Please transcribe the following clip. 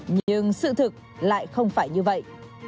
nhưng sự thực lại không phải như vậy